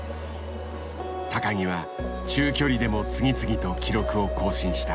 木は中距離でも次々と記録を更新した。